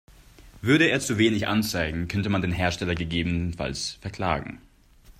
Würde er zu wenig anzeigen, könnte man den Hersteller gegebenenfalls verklagen.